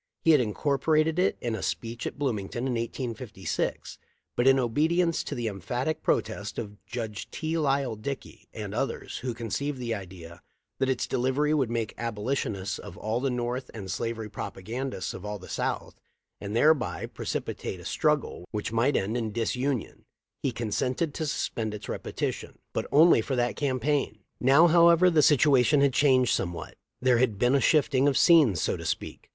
He had incorporated it in a speech at Bloomington in 1856, but in obedience to the emphatic protest of Judge T. Lyle Dickey and others, who conceived the idea that its "delivery would make Abolitionists of all the North and slavery propagandists of all the South, and thereby precipitate a struggle which might end in dis union," he consented to suspend its repitition, but THE LIFE OF LINCOLN. 399 only for that campaign.* Now, however, the situa tion had changed somewhat. There had been a shifting of scenes, so to speak.